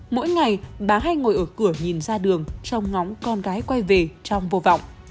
mỗi ngày bà hay ngồi ở cửa nhìn ra đường trong ngóng con gái quay về trong vô vọng